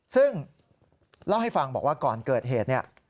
ซึ่งเล่าให้ฟังบอกว่าก่อนเกิดเหตุเนี่ย